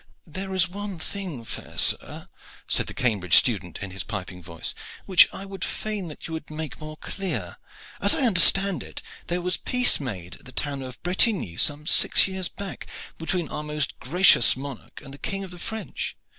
"There is one thing, fair sir," said the Cambridge student in his piping voice, "which I would fain that you would make more clear. As I understand it, there was peace made at the town of Bretigny some six years back between our most gracious monarch and the King of the French.